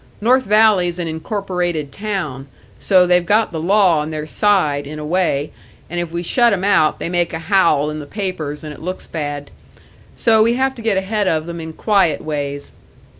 North Valley's an incorporated town, so they've got the law on their side, in a way, and if we shut 'em out, they make a howl in the papers, and it looks bad. So we have to get ahead of them in quiet ways.